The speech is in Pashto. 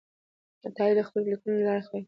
عطایي د خپلو لیکنو له لارې خلکو ته پوهاوی ورکړی دی.